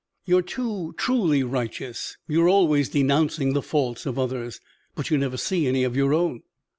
You're too truly righteous. You're always denouncing the faults of others, but you never see any of your own.